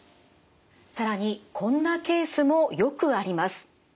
更にこんなケースもよくあります。